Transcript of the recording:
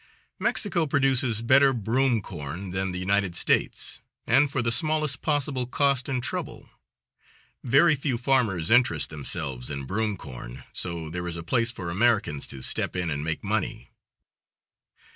Mexico produces better broom corn than the United States, and for the smallest possible cost and trouble. Very few farmers interest themselves in broom corn, so there is a place for Americans to step in and make money.